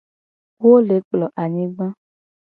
Wo le kplo anyigba.